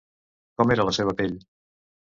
Com era la seva pell?